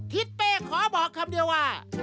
ทิศเป้ขอบอกคำเดียวว่า